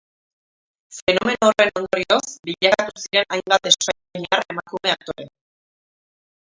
Fenomeno horren ondorioz, bilakatu ziren hainbat espainiar emakume aktore.